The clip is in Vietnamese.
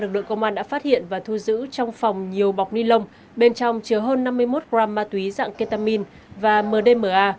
lực lượng công an đã phát hiện và thu giữ trong phòng nhiều bọc ni lông bên trong chứa hơn năm mươi một gram ma túy dạng ketamin và mdma